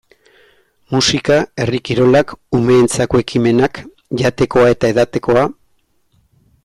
Musika, herri kirolak, umeentzako ekimenak, jatekoa eta edatekoa...